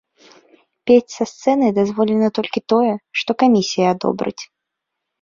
Пець са сцэны дазволена толькі тое, што камісія адобрыць.